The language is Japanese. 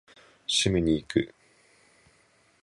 締めに行く！